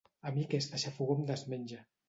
A mi aquesta xafogor em desmenja.